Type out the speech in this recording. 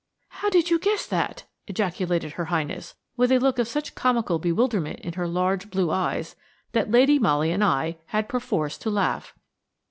"How did you guess that?" ejaculated Her Highness, with a look of such comical bewilderment in her large, blue eyes that Lady Molly and I had perforce to laugh.